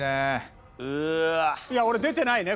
いや俺出てないね